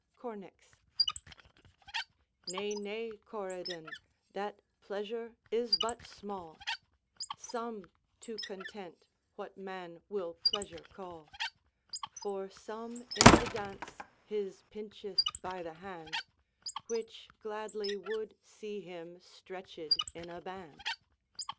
CORNIX Nay, nay, Coridon, that pleasour is but small, Some to contente what man will pleasour call, For some in the daunce his pincheth by the hande, Which gladly would see him stretched in a bande.